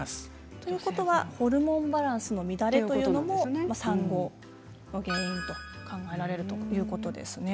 ということはホルモンバランスの乱れということも産後の原因として考えられるということですね。